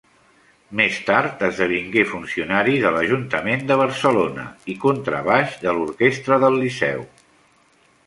Més tard esdevingué funcionari de l'Ajuntament de Barcelona i contrabaix de l'Orquestra del Liceu.